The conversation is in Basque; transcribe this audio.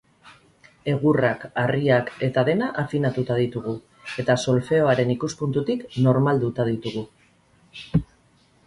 Egurrak, harriak eta dena afinatuta ditugu, eta solfeoaren ikuspuntutik normalduta ditugu.